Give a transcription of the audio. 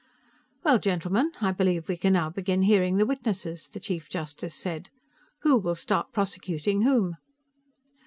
"Well, gentlemen, I believe we can now begin hearing the witnesses," the Chief Justice said. "Who will start prosecuting whom?"